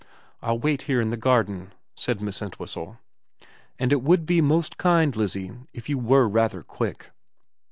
' I'll wait here in the garden,' said Miss Entwhistle, ' and it would be most kind, Lizzie, if you were rather quick.'